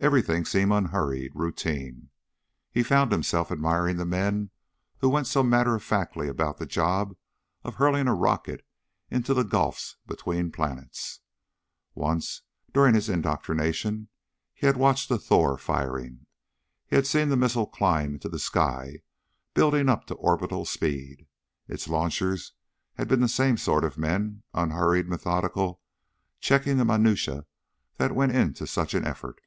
Everything seemed unhurried, routine. He found himself admiring the men who went so matter of factly about the job of hurling a rocket into the gulfs between planets. Once, during his indoctrination, he had watched a Thor firing ... had seen the missile climb into the sky, building up to orbital speed. Its launchers had been the same sort of men unhurried, methodical, checking the minutiae that went into such an effort.